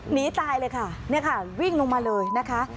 หนีตายเลยค่ะเนี่ยค่ะวิ่งลงมาเลยนะคะ